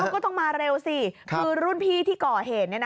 ก็ต้องมาเร็วสิคือรุ่นพี่ที่ก่อเหตุ